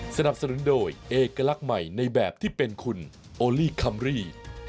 สนับสนุนโดยเอกลักษณ์ใหม่ในแบบที่เป็นคุณโอลี่คัมรี่